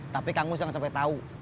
tapi kamu jangan sampai tau